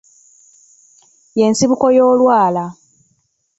Ye nsibuko y'olwala.